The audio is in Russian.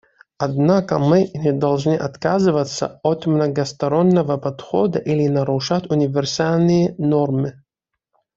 Однако мы не должны отказываться от многостороннего подхода или нарушать универсальные нормы.